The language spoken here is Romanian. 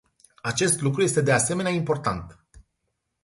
Acest lucru este de asemenea important.